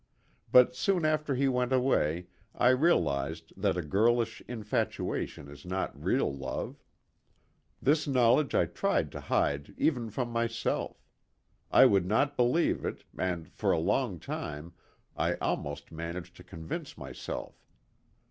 But soon after he went away I realized that a girlish infatuation is not real love. This knowledge I tried to hide even from myself. I would not believe it, and for a long time I almost managed to convince myself.